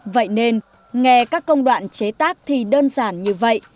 vậy nên nghe các công đoạn chế tác thì đơn giản như vậy